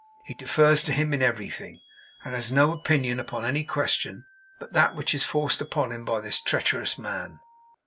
He defers to him in everything, and has no opinion upon any question, but that which is forced upon him by this treacherous man.